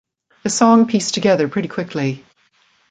The song pieced together pretty quickly.